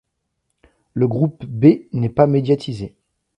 Le groupe B n'est pas médiatisé.